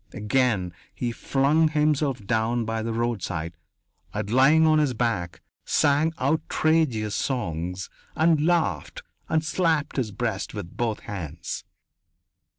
Again he flung himself down by the roadside and, lying on his back, sang outrageous songs and laughed and slapped his breast with both hands.